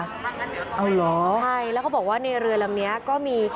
เอาเหรอใช่แล้วเขาบอกว่าในเรือลำนี้ก็มี